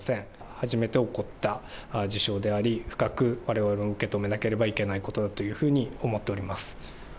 初めて起こった事象であり、深くわれわれも受け止めなければならないと思っております。